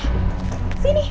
ada mereka juga disini